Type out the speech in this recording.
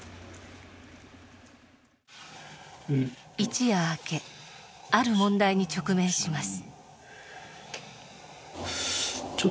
一夜明けある問題に直面します。